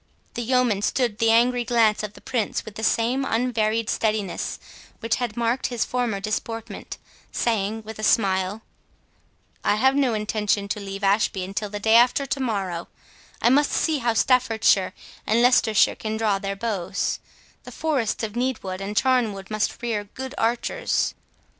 The yeoman stood the angry glance of the Prince with the same unvaried steadiness which had marked his former deportment, saying, with a smile, "I have no intention to leave Ashby until the day after to morrow—I must see how Staffordshire and Leicestershire can draw their bows—the forests of Needwood and Charnwood must rear good archers."